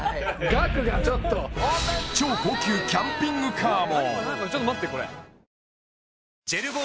超高級キャンピングカーも！